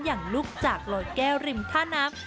อย่างลูกจากลอยแก้วริมท่าน้ำ